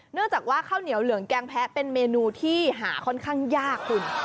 เนื่องจากว่าข้าวเหนียวเหลืองแกงแพ้เป็นเมนูที่หาค่อนข้างยากคุณ